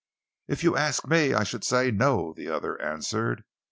"If you ask me, I should say no," the other answered.